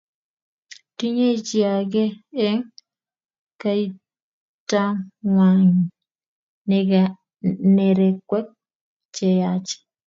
tinyei chi age tugul eng' kaitang'wang' nerekwek che yaach